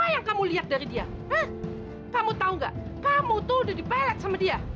apa yang kamu lihat dari dia kamu tahu nggak kamu tuh udah dibalik sama dia